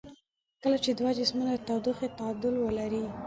کله چې دوه جسمونه د تودوخې تعادل ولري.